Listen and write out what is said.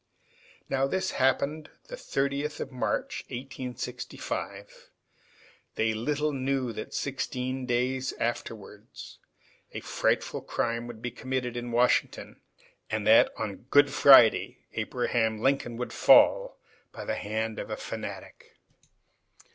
Now this happened the 30th of March, 1865. They little knew that sixteen days afterwards a frightful crime would be committed in Washington, and that on Good Friday Abraham Lincoln would fall by the hand of a fanatic.